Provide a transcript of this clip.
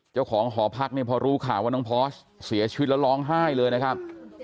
เจ้าของหอพักเนี่ยพอรู้ข่าวว่าน้องพอร์สเสียชีวิตแล้วร้องไห้เลยนะครับ